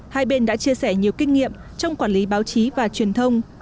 hai bên đã chia sẻ nhiều kinh nghiệm trong quản lý báo chí và truyền thông